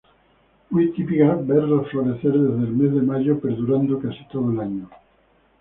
Muy típicas verlas florecer desde el mes de mayo, perdurando casi todo el año.